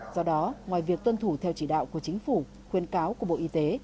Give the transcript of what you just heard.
do đó ngoài việc tuân thủ theo chỉ đạo của chính phủ khuyên cáo của bộ y tế